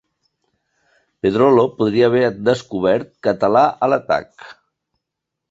Pedrolo podria haver descobert Català a l'atac!